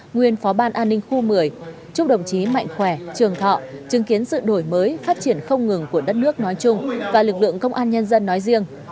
nguyên phó ban an ninh khu một mươi chúc đồng chí mạnh khỏe trường thọ chứng kiến sự đổi mới phát triển không ngừng của đất nước nói chung và lực lượng công an nhân dân nói riêng